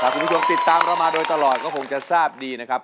คุณผู้ชมติดตามเรามาโดยตลอดก็คงจะทราบดีนะครับ